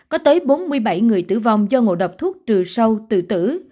có tới bốn mươi bảy người tử vong do ngộ độc thuốc trừ sâu tự tử